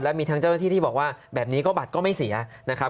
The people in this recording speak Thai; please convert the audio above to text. มีทั้งเจ้าหน้าที่ที่บอกว่าแบบนี้ก็บัตรก็ไม่เสียนะครับ